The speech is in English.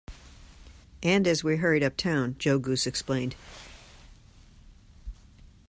And as we hurried up town, Joe Goose explained.